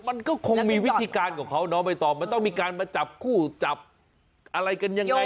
มันก็คงมีวิธีการของเขาน้องใบตองมันต้องมีการมาจับคู่จับอะไรกันยังไง